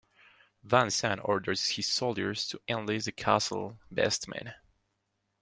Van Zan orders his soldiers to enlist the castle's best men.